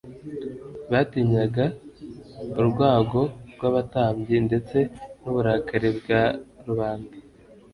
Batinyaga urwago rw'abatambyi ndetse n'uburakari bwa rubanda